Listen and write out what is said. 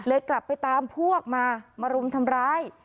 กลับไปตามพวกมามารุมทำร้าย